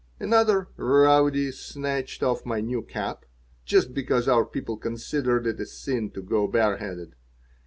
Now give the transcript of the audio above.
Another rowdy snatched off my new cap just because our people considered it a sin to go bareheaded.